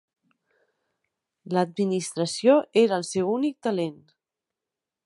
L'administració era el seu únic talent.